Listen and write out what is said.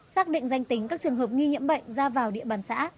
xác định danh tính các trường hợp nghi nhiễm bệnh ra vào địa bàn xã